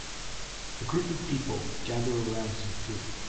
A group of people gather around some food.